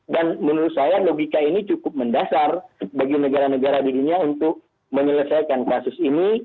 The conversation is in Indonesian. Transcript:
dan menurut saya logika ini cukup mendasar bagi negara negara dirinya untuk menyelesaikan kasus ini